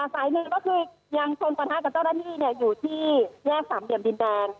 สายหนึ่งก็คือยังชนประทะกับเจ้าหน้าที่อยู่ที่แยกสามเหลี่ยมดินแดง